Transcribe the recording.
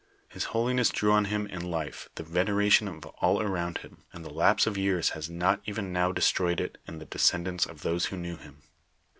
His holiness drew on him in life the veneration of all around him, and the lapse of years has not even now destroyed it in the descendants of those who knew him.